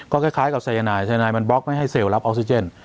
คล้ายกับสายนายสายนายมันบล็อกไม่ให้เซลลับออกซิเจน